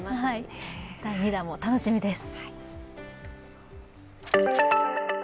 第２弾も楽しみです。